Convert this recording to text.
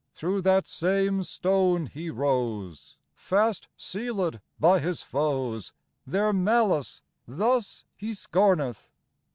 Through that same stone He rose, Fast sealed by His foes : Their malice thus He scorneth.